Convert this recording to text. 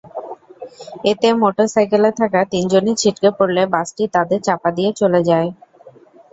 এতে মোটরসাইকেলে থাকা তিনজনই ছিটকে পড়লে বাসটি তাঁদের চাপা দিয়ে চলে যায়।